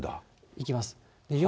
行きます。